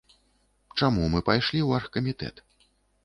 Чаму мы пайшлі ў аргкамітэт?